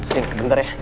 cint bentar ya